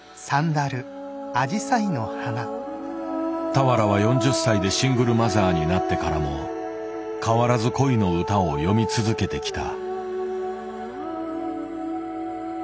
俵は４０歳でシングルマザーになってからも変わらず恋の歌を詠み続けてきた。